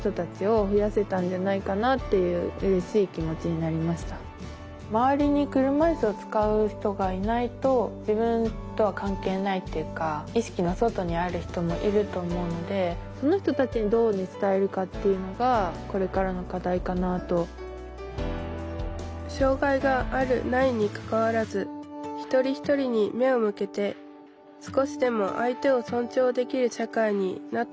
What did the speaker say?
例えば周りに車いすを使う人がいないと自分とは関係ないっていうか意識の外にある人もいると思うので障害があるないにかかわらずひとりひとりに目を向けて少しでも相手をそんちょうできる社会になったらいいな。